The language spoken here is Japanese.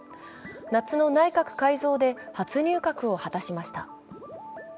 夏の内閣改造で初入閣を果たしました。